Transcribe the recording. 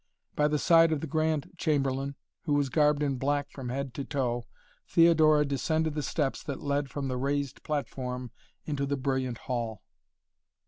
By the side of the Grand Chamberlain, who was garbed in black from head to toe, Theodora descended the steps that led from the raised platform into the brilliant hall.